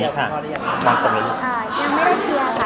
จากที่เกิดขึ้นเป็นยังไงค่ะ